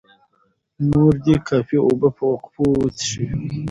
مور دې کافي اوبه په وقفو وڅښي.